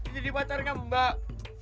jadi pacar gak mbak